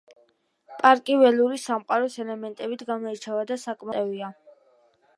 პარკი ველური სამყაროს ელემენტებით გამოირჩევა და საკმაოდ ძნელად მისაღწევია.